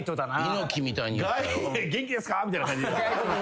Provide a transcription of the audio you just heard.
「元気ですかー」みたいな感じ。